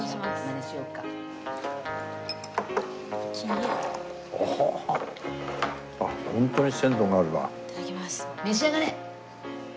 召し上がれ！